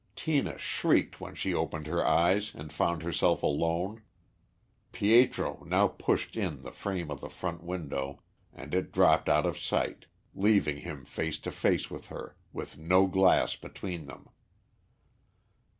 Tina shrieked when she opened her eyes and found herself alone. Pietro now pushed in the frame of the front window and it dropped out of sight, leaving him face to face with her, with no glass between them.